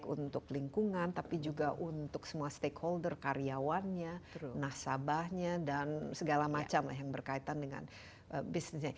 untuk lingkungan tapi juga untuk semua stakeholder karyawannya nasabahnya dan segala macam lah yang berkaitan dengan bisnis